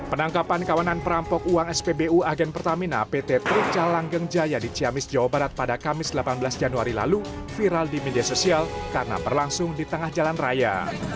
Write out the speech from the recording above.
penangkapan kawanan perampok uang spbu agen pertamina pt trica langgeng jaya di ciamis jawa barat pada kamis delapan belas januari lalu viral di media sosial karena berlangsung di tengah jalan raya